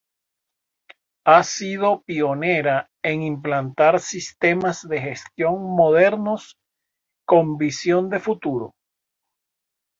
Ha sido pionera en implantar sistemas de gestión modernos y con visión de futuro.